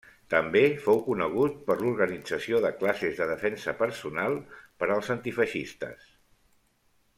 També fou conegut per l'organització de classes de defensa personal per als antifeixistes.